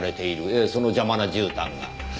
ええその邪魔なじゅうたんが。